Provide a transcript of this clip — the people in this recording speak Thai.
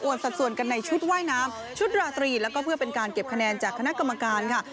สัดส่วนกันในชุดว่ายน้ำชุดราตรีแล้วก็เพื่อเป็นการเก็บคะแนนจากคณะกรรมการค่ะ